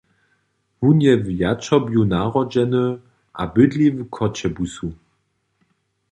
Wón je w Jatřobju narodźeny a bydli w Choćebuzu.